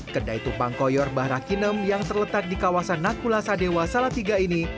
kedai tumpang koyor mbah rakinem yang terletak di kawasan nakula sadewa salatiga ini